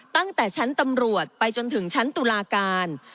ตั้งแต่ชั้นตำรวจไปจนถึงชั้นตุลาการ